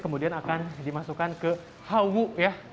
kemudian akan dimasukkan ke hawu ya